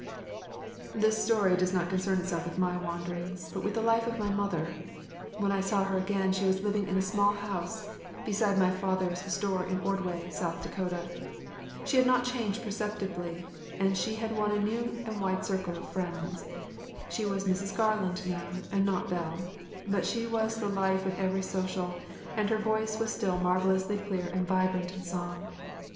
THIS story does not concern itself with my wanderings, but with the life of my mother. When I saw her again she was living in a small house beside my father’s store in Ordway, South Dakota. She had not changed perceptibly, and she had won a new and wide circle of friends. She was “Mrs. Garland” now, and not Belle—but she was the life of every social, and her voice was still marvelously clear and vibrant in song.